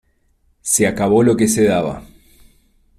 Se acabó lo que se daba.